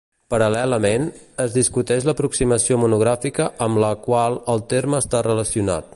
Paral·lelament, es discuteix l'aproximació monogràfica amb la qual el terme està relacionat.